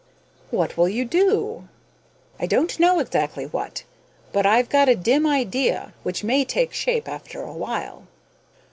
"What will you do?" "I don't know exactly what. But I've got a dim idea which may take shape after a while."